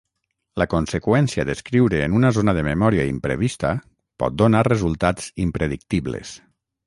La conseqüència d'escriure en una zona de memòria imprevista pot donar resultats impredictibles.